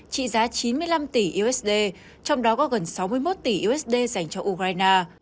trị giá chín mươi năm tỷ usd trong đó có gần sáu mươi một tỷ usd dành cho ukraine